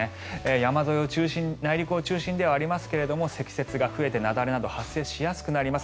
山沿いを中心に内陸を中心ではありますが積雪が増えて雪崩など発生しやすくなります。